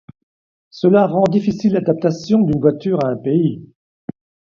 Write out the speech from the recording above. Cela rend difficile l'adaptation d'une voiture à un pays.